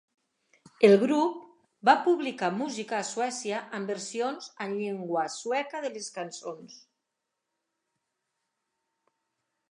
El grup va publicar música a Suècia amb versions en llengua sueca de les cançons.